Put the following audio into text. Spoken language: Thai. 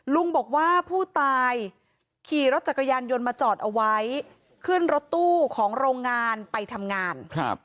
ลุงบอกว่าผู้ตายขี่รถจักรยานยนต์มาจอดเอาไว้ขึ้นรถตู้ของโรงงานไปทำงานครับ